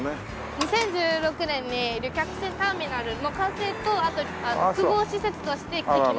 ２０１６年に旅客船ターミナルの完成とあと複合施設としてできました。